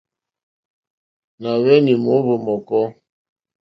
Nà hweni mòohvò mɔ̀kɔ.